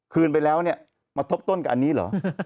คืนไปแล้วมาทบต้นกับอันนี้หรอ